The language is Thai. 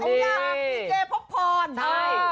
มีเจพพรใช่